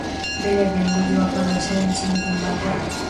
mbele ya viongozi wafanya biashara nchini zimbabwe